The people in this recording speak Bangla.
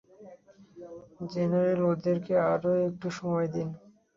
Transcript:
জেনারেল, ওদেরকে আরো একটু সময় দিন।